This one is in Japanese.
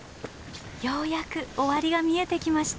ようやく終わりが見えてきました。